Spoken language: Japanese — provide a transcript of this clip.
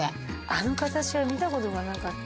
あの形は見たことがなかった。